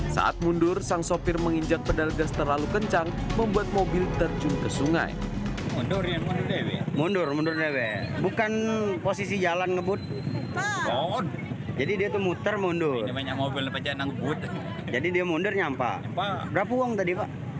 saat mundur sang sopir menginjak pedal gas terlalu kencang membuat mobil terjun ke sungai